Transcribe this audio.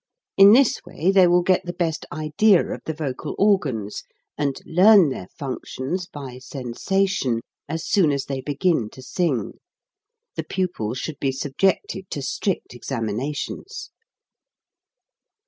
In this way they will get the best idea of the vocal organs, and learn their functions by sensation as soon as they begin to sing. The pupil should be subjected to strict examinations.